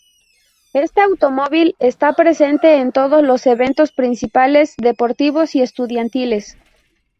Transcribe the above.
Este automóvil está presente en todos los eventos principales deportivos y estudiantiles.